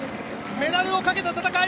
メダルをかけた戦い！